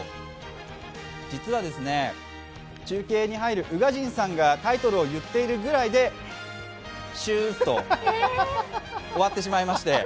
実は中継に入る宇賀神さんがタイトルを言ってるぐらいで、シューッと終わってしまいまして。